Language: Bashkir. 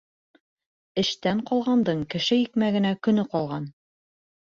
Эштән ҡалғандың кеше икмәгенә көнө ҡалған.